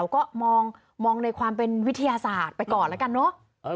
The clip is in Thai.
ก็มองในความเป็นวิทยาศาสตร์ไปก่อนแล้วกันเนอะ